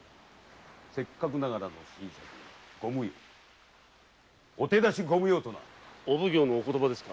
せっかくながら斟酌ご無用お手出しご無用となお奉行のお言葉ですか？